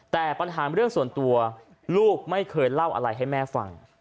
แต่ปัญหาเรื่องส่วนตัวลูกไม่เคยเล่าอะไรให้แม่ฟัง